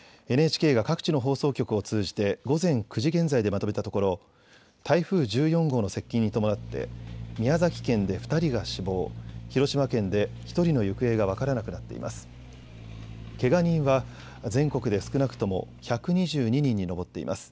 ＮＨＫが各地の放送局を通じて午前９時現在でまとめたところ、台風１４号の接近に伴って、宮崎県で２人が死亡、広島県で１人の行方が分からなくなっています。